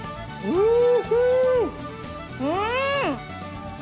うん。